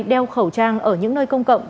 đeo khẩu trang ở những nơi công cộng